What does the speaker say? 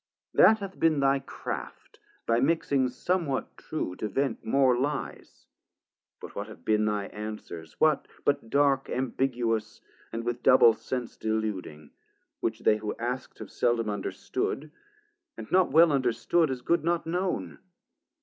that hath been thy craft, By mixing somewhat true to vent more lyes. But what have been thy answers, what but dark Ambiguous and with double sense deluding, Which they who ask'd have seldom understood, And not well understood as good not known?